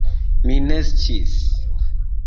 Mi ne sciis!